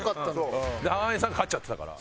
で濱家さんが勝っちゃってたから。